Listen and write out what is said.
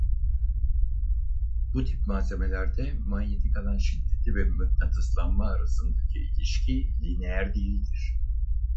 Bu tip malzemelerde manyetik alan şiddeti ve mıknatıslanma arasındaki ilişki lineer değildir.